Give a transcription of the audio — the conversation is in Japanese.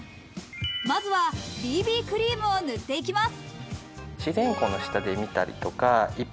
まずはＢＢクリームを塗っていきます。